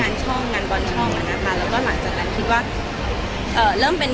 อย่างไรก็ได้หมด